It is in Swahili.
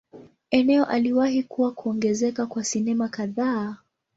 Eneo aliwahi kuwa kuongezeka kwa sinema kadhaa.